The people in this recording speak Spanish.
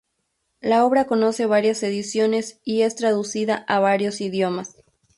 La obra conoce varias ediciones y es traducida a varios idiomas.